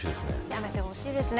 やめてほしいですね。